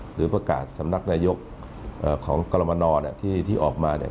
หรือประกาศสำนักนายกเอ่อของกรมนเนี่ยที่ที่ออกมาเนี่ย